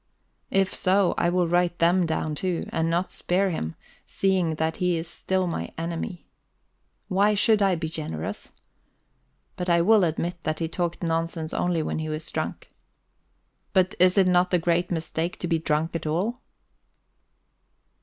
If so, I will write them down too, and not spare him, seeing that he is still my enemy. Why should I be generous? But I will admit that he talked nonsense only when he was drunk. But is it not a great mistake to be drunk at all?